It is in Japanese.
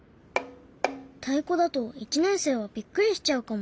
太鼓だと１年生はびっくりしちゃうかも。